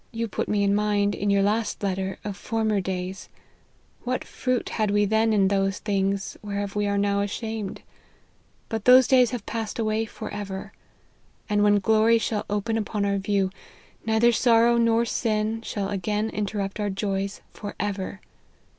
You put me in mind, in your last letter, of former days. What fruit had we then in those things, whereof we are now ashamed ? But those days have passed away for ever. And when glory shall open upon our view, neither sorrow nor sin, shall again interrupt our joys for ever.